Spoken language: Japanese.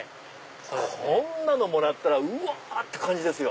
こんなのもらったらうわ！って感じですよ。